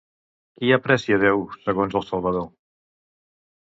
Qui aprecia Déu, segons el Salvador?